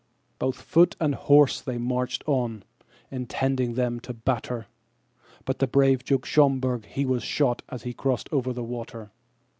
Both foot and horse they marched on, intending them to batter, But the brave Duke Schomberg he was shot as he crossed over the water.